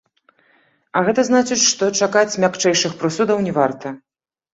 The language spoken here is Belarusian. А гэта значыць, што чакаць мякчэйшых прысудаў не варта.